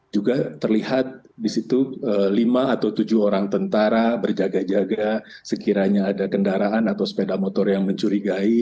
juga terlihat di situ lima atau tujuh orang tentara berjaga jaga sekiranya ada kendaraan atau sepeda motor yang mencurigai